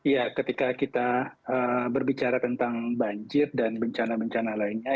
ya ketika kita berbicara tentang banjir dan bencana bencana lainnya